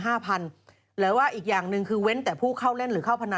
หรือว่าอีกอย่างหนึ่งคือเว้นแต่ผู้เข้าเล่นหรือเข้าพนัน